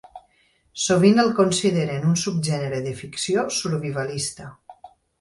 Sovint el consideren un subgènere de ficció survivalista.